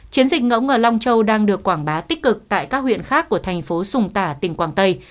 chiến dịch ngẫu ở long châu đang được quảng bá tích cực tại các huyện khác của thành phố sùng tả tỉnh quảng tây